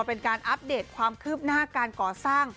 เป็นการอัปเดตความคืบหน้าการก่อสร้าง